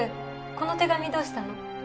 この手紙どうしたの？